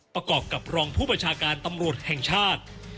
ประกอบกับรองผู้ประชาการตำรวจแห่งชาติ